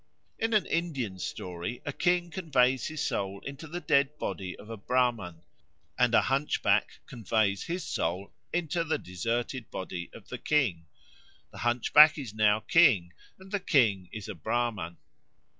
In an Indian story a king conveys his soul into the dead body of a Brahman, and a hunchback conveys his soul into the deserted body of the king. The hunchback is now king and the king is a Brahman.